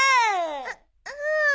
うっうん。